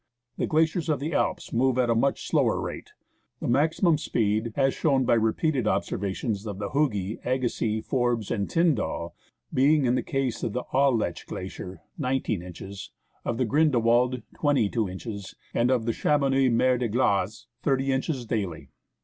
The glaciers of the Alps move at a much slower rate ; the maximum speed, as shown by the repeated observations of Hugi, Agassiz, Forbes, and Tyndall, being, in the case of the Aletsch Glacier, 19 inches, of the Grindelwald, 22 inches, and of the Chamonix Mer de Glace, 30 inches daily.